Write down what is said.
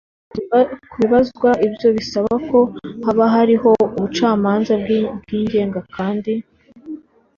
kubibazwa ibyo bisaba ko haba hariho ubucamanza bwigenga kandi